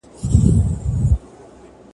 حکومت به نوي لاري چاري ولټوي.